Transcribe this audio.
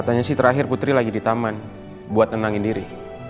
dan si terakhir putri lagi di taman buat nenangin diri